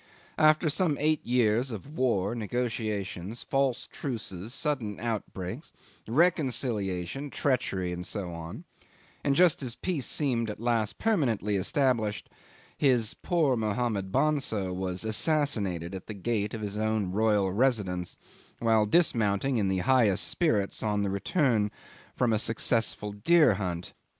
After some eight years of war, negotiations, false truces, sudden outbreaks, reconciliation, treachery, and so on, and just as peace seemed at last permanently established, his "poor Mohammed Bonso" was assassinated at the gate of his own royal residence while dismounting in the highest spirits on his return from a successful deer hunt.